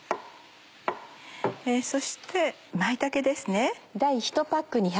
そして舞茸ですね。